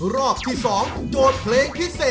รอบที่๒โจทย์เพลงพิเศษ